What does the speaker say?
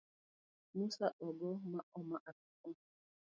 Musa ogo ma oma apiko